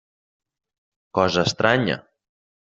Cosa estranya!